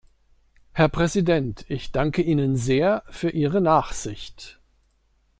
Herr Präsident, ich danke Ihnen sehr für Ihre Nachsicht.